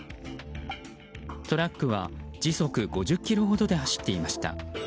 トラックは時速５０キロほどで走っていました。